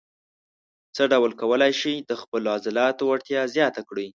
څه ډول کولای شئ د خپلو عضلاتو وړتیا زیاته کړئ.